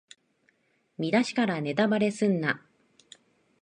見だしからネタバレすんな